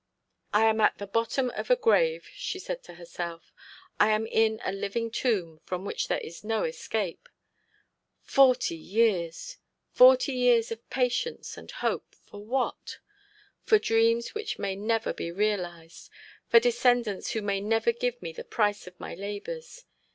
'I am at the bottom of a grave,' she said to herself. 'I am in a living tomb, from which there is no escape. Forty years! Forty years of patience and hope, for what? For dreams which may never be realised; for descendants who may never give me the price of my labours.